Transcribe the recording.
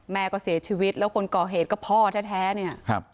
แม่ก็เสียชีวิตแล้วคนก่อเหตุก็พ่อแท้